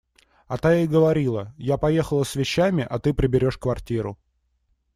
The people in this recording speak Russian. А та ей говорила: – Я поехала с вещами, а ты приберешь квартиру.